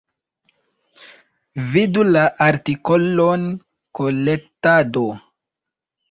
Vidu la artikolon Kolektado.